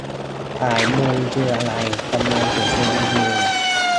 สายมูคืออะไร ทำไมถึงเป็นมู